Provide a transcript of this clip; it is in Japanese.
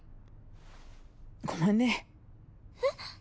ごめんねえっ？